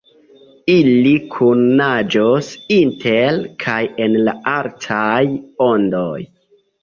Ili kune naĝos, inter kaj en la altaj ondoj.